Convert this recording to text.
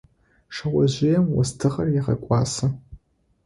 Шъэожъыем остыгъэр егъэкӏуасэ.